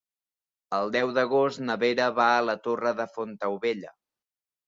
El deu d'agost na Vera va a la Torre de Fontaubella.